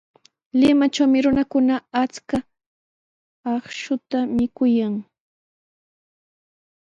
Limatrawmi runakuna achka akshuta mikuyan.